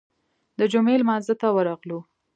د جمعې لمانځه ته ورغلو.